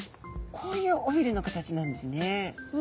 こういう尾びれの形なんですね。